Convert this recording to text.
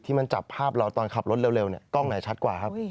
มันจับภาพเราตอนขับรถเร็วเนี่ยกล้องไหนชัดกว่าครับ